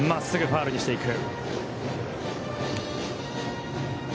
ファウルにしていく。